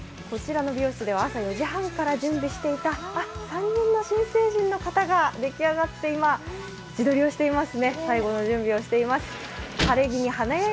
こちらの美容室では朝４時半から準備していた３人の新成人の方が出来上がって今自撮りをしていますね。